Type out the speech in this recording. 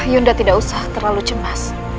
hyunda tidak usah terlalu cemas